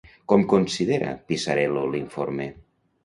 Com considera Pisarello l'informe?